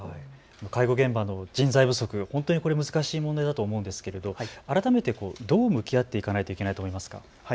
介護現場の人材不足、本当にこれは難しい問題だと思うんですが改めてどう向き合っていかないといけないと思いますか。